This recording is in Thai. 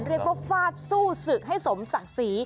เรียกว่าฟาดสู้ศึกให้สมศักดิ์ศรี